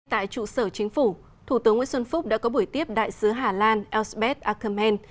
tại trụ sở chính phủ thủ tướng nguyễn xuân phúc đã có buổi tiếp đại sứ hà lan elsbeth ackerman